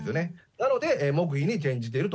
なので、黙秘に転じていると。